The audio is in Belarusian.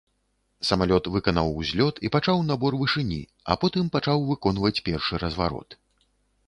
Самалёт выканаў узлёт і пачаў набор вышыні, а потым пачаў выконваць першы разварот.